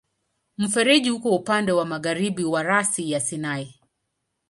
Mfereji uko upande wa magharibi wa rasi ya Sinai.